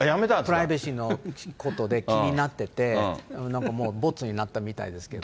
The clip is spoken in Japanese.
プライバシーのことで気になってて、なんかもうぼつになってみたいですけどね。